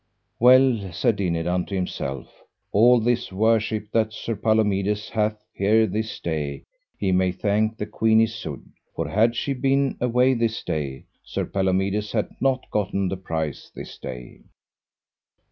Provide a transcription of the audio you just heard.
Well, said Dinadan to himself, all this worship that Sir Palomides hath here this day he may thank the Queen Isoud, for had she been away this day Sir Palomides had not gotten the prize this day.